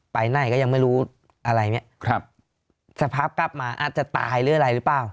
ไปไหนก็ยังไม่รู้อะไรเนี้ยครับสภาพกลับมาอาจจะตายหรืออะไรหรือเปล่า